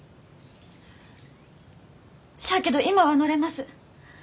しゃあけど今は乗れます。